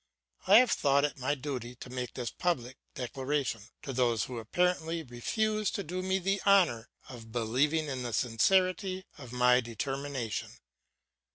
I have thought it my duty to make this public declaration to those who apparently refuse to do me the honour of believing in the sincerity of my determination.